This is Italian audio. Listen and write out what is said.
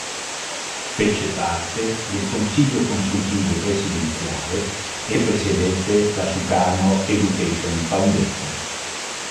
Fece parte del Consiglio consultivo presidenziale e presiedette la Sukarno Education Foundation.